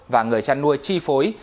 và người chăn nuôi chi phối